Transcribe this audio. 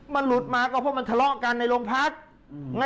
มันหลุดมาก็เพราะมันทะเลาะกันในโรงพัก